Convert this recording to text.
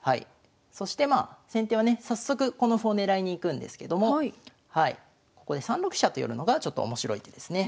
そしてまあ先手はね早速この歩を狙いに行くんですけどもここで３六飛車と寄るのがちょっと面白い手ですね。